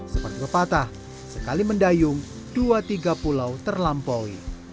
seperti pepatah sekali mendayung dua tiga pulau terlampaui